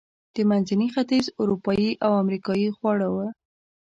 د منځني ختیځ، اروپایي او امریکایي خواړه و.